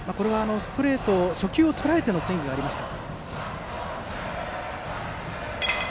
ストレート、初球をとらえてのスイングがありました。